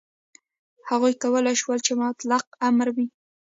هغوی کولای شول چې مطلق امر وي.